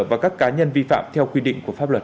và các cá nhân vi phạm theo quy định của pháp luật